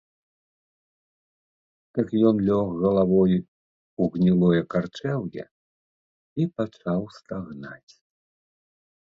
Так ён лёг галавой у гнілое карчэўе і пачаў стагнаць.